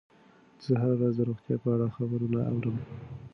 زه هره ورځ د روغتیا په اړه خبرونه اورم.